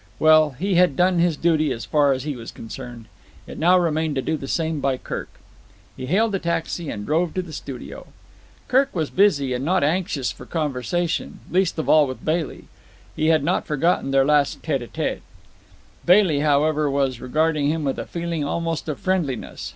Well, he had done his duty as far as he was concerned. It now remained to do the same by Kirk. He hailed a taxi and drove to the studio. Kirk was busy and not anxious for conversation, least of all with Bailey. He had not forgotten their last tete a tete. Bailey, however, was regarding him with a feeling almost of friendliness.